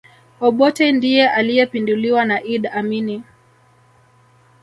obotte ndiye aliyepinduliwa na idd amini